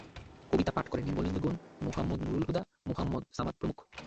কবিতা পাঠ করেন নির্মলেন্দু গুণ, মুহাম্মদ নূরুল হুদা, মুহাম্মদ সামাদ প্রমুখ।